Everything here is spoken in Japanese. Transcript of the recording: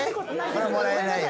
これはもらえないよ